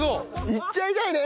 いっちゃいたいね。